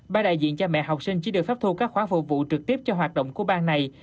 ban đại diện cha mẹ học sinh chỉ được phép thu các khoản phục vụ trực tiếp cho hoạt động của bang này